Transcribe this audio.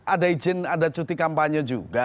ada izin ada cuti kampanye juga